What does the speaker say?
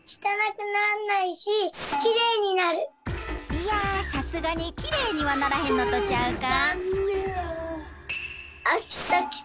いやさすがにキレイにはならへんのとちゃうか？